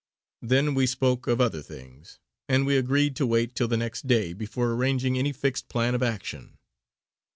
Then we spoke of other things, and we agreed to wait till the next day before arranging any fixed plan of action.